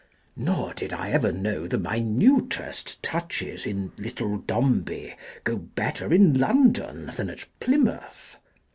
Nor did I ever know the minutest touches in " Little Dombey," go better in London than at Ply mouth.